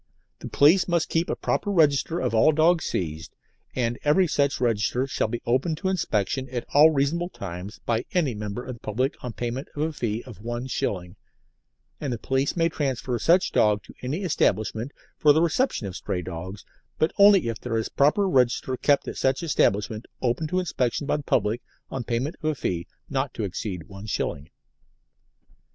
The police must keep a proper register of all dogs seized, and every such register shall be open to inspection at all reasonable times by any member of the public on payment of a fee of one shilling, and the police may transfer such dog to any establishment for the reception of stray dogs, but only if there is a proper register kept at such establishment open to inspection by the public on payment of a fee not exceeding one shilling.